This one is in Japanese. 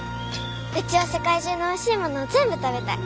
うちは世界中のおいしいものを全部食べたい。